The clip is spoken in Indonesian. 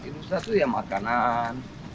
itu sudah makanan